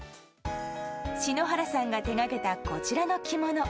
篠原さんが手がけたこちらの着物。